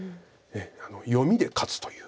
読みで勝つという。